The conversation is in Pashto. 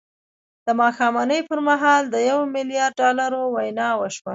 د ماښامنۍ پر مهال د يوه ميليارد ډالرو وينا وشوه.